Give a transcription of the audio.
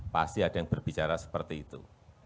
pasti ada yang berbicara seperti itu